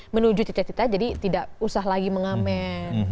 menuju cita cita jadi tidak usah lagi mengamen